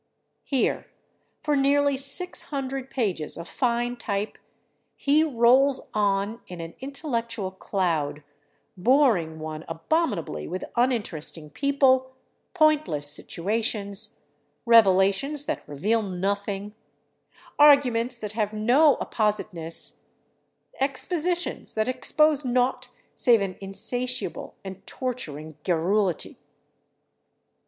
Here, for nearly six hundred pages of fine type, he rolls on in an intellectual cloud, boring one abominably with uninteresting people, pointless situations, revelations that reveal nothing, arguments that have no appositeness, expositions that expose naught save an insatiable and torturing garrulity.